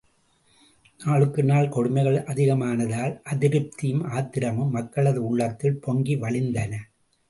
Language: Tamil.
நாளுக்கு நாள் கொடுமைகள் அதிகமானதால் அதிருப்தியும், ஆத்திரமும் மக்களது உள்ளத்தில் பொங்கி வழிந்தன.